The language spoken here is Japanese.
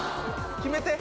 決めて！